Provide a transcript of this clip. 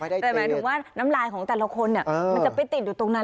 แต่หมายถึงว่าน้ำลายของแต่ละคนมันจะไปติดอยู่ตรงนั้น